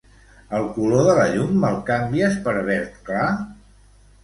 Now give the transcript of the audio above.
El color de la llum me'l canvies per verd clar.